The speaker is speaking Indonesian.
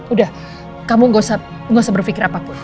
udah kamu gak usah berpikir apapun